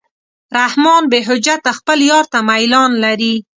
رحمان بېحجته خپل یار ته میلان لري.